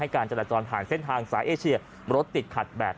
การจราจรผ่านเส้นทางสายเอเชียรถติดขัดแบบ